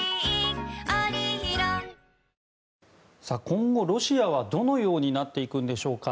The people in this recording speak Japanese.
今後、ロシアはどのようになっていくんでしょうか。